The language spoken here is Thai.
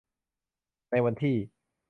ในวันที่